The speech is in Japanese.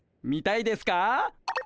見たいですか？